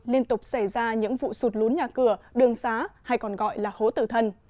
liên tục xảy ra những vụ sụt lún nhà cửa đường xá hay còn gọi là hố tử thần